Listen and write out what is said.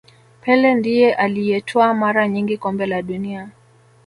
pele ndiye aliyetwaa mara nyingi kombe la dunia